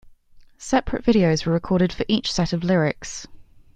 Separate videos were recorded for each set of lyrics.